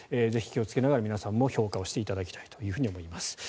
ぜひ気をつけながら皆さんも評価していただきたいと思います。